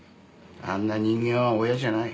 あんな人間は親じゃない。